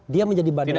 dia menjadi badan pria